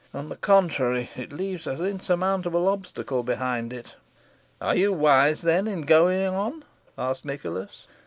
On the contrary, it leaves an insurmountable obstacle behind it." "Are you wise, then, in going on?" asked Nicholas.